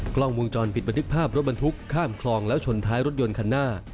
กล้องวงจรปิดบันทึกภาพรถบรรทุกข้ามคลองแล้วชนท้ายรถยนต์คันหน้า